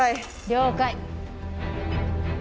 了解。